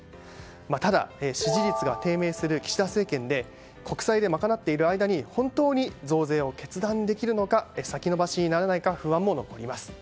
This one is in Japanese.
ただ支持率が低迷する岸田政権で国債で賄っている間に本当に増税を決断できるのか先延ばしにならないか不安も残ります。